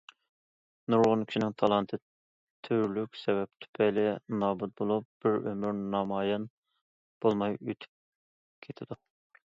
نۇرغۇن كىشىنىڭ تالانتى تۈرلۈك سەۋەب تۈپەيلى نابۇت بولۇپ، بىر ئۆمۈر نامايان بولماي ئۆتۈپ كېتىدۇ.